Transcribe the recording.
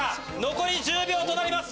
残り１０秒となります